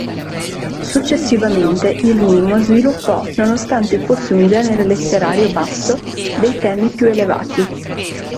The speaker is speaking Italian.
Successivamente il mimo sviluppò nonostante fosse un genere letterario basso, dei temi più elevati.